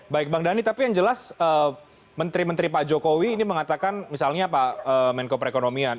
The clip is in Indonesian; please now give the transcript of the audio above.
baik bang dhani tapi yang jelas menteri menteri pak jokowi ini mengatakan misalnya pak menko perekonomian